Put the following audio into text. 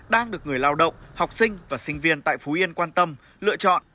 đang được người lao động học sinh và sinh viên tại phú yên quan tâm lựa chọn